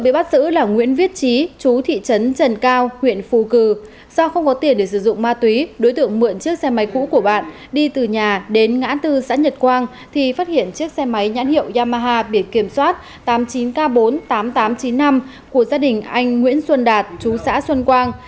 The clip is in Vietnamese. bị bắt giữ là nguyễn viết trí chú thị trấn trần cao huyện phù cử do không có tiền để sử dụng ma túy đối tượng mượn chiếc xe máy cũ của bạn đi từ nhà đến ngã tư xã nhật quang thì phát hiện chiếc xe máy nhãn hiệu yamaha biển kiểm soát tám mươi chín k bốn mươi tám nghìn tám trăm chín mươi năm của gia đình anh nguyễn xuân đạt chú xã xuân quang